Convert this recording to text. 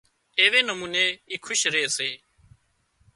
ايوي نموني اِي کُش ري سي